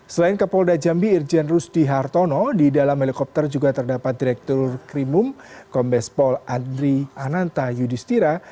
selain kapolda jambi irjen rustihartono di dalam helikopter juga terdapat direktur krimum kombes paul andri ananta yudhistira